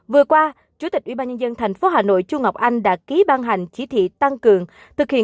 vừa qua chủ tịch ubnd tp hà nội chu ngọc anh đã ký ban hành chỉ thị tăng cường thực hiện